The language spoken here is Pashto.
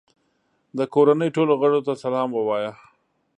د کورنۍ ټولو غړو ته سلام ووایه.